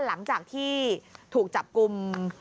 หลังจากที่ถูกจับกลุ่ม